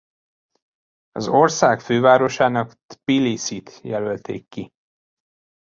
Az ország fővárosának Tbiliszit jelölték ki.